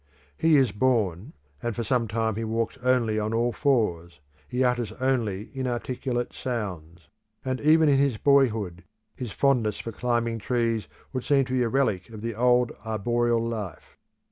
He is born, and for some time he walks only on all fours; he utters only inarticulate sounds; and even in his boyhood his fondness for climbing trees would seem to be a relic of the old arboreal life.